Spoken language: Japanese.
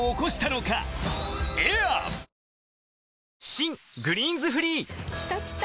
新「グリーンズフリー」きたきた！